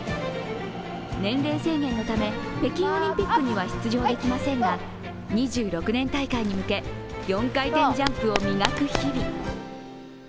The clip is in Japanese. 年齢制限のため、北京オリンピックには出場できませんが２６年大会に向け、４回転ジャンプを磨く日々。